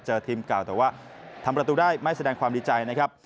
ทีมเก่าแต่ว่าทำประตูได้ไม่แสดงความดีใจนะครับ